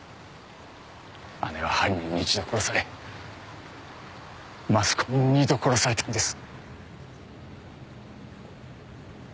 姉は犯人に一度殺されマスコミに二度殺されたんです。